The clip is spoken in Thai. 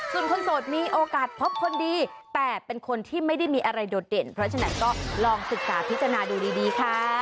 ส่วนคนโสดมีโอกาสพบคนดีแต่เป็นคนที่ไม่ได้มีอะไรโดดเด่นเพราะฉะนั้นก็ลองศึกษาพิจารณาดูดีค่ะ